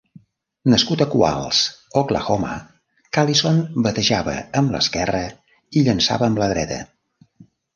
Nascut a Qualls, Oklahoma, Callison batejava amb l'esquerra i llançava amb la dreta.